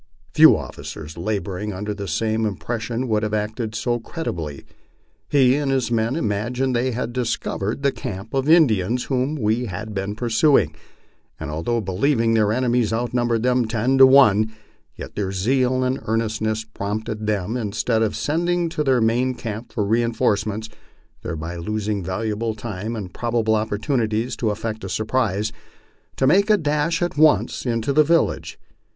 Few officers laboring under the same impression would have acted so cred itably. He and his men imagined they had discovered the carxip of the Indians whom we had been pursuing, and although believing their enemies outnum bered them ten to one, yet their zeal and earnestness prompted them, instead of sending to their main camp for reinforcements, thereby losing valuable time and probable opportunities to effect a surprise, to make a dash at once into the village.